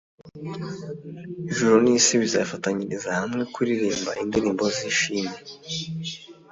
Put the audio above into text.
Ijuru n'isi bizafataniriza hamwe kuririmba indirimbo z'ishimwe,